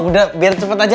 udah biar cepet aja